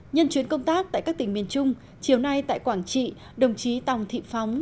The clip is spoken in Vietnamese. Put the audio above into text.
nhân chuyến công tác tại các tỉnh miền trung chiều nay tại quảng trị đồng chí tòng thị phóng